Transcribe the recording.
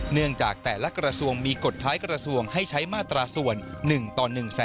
เนื่องจากแต่ละกระทรวงมีกฎท้ายกระทรวงให้ใช้มาตราส่วน๑ต่อ๑